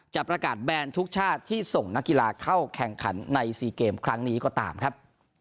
จะประกาศแบนทุกชาติที่ส่งนักกีฬาเข้าแข่งขันใน๔เกมครั้งนี้ก็ตามครับ